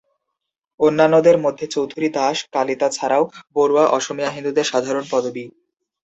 অন্যান্যদের মধ্যে চৌধুরী, দাস, কালীতা ছাড়াও বড়ুয়া অসমীয়া হিন্দুদের সাধারণ পদবি।